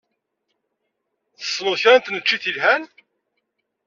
Tessned kra n tneččit yelhan?